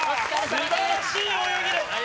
素晴らしい泳ぎです！